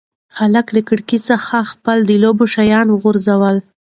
هلک له کړکۍ څخه خپل د لوبو شیان وغورځول.